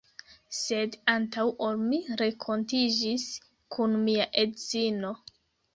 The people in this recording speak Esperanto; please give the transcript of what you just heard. Sed antaŭ ol mi renkontiĝis kun mia edzino